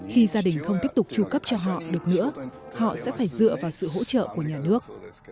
khi gia đình không tiếp tục tru cấp cho họ được nữa họ sẽ phải dựa vào sự hỗ trợ của nhà nước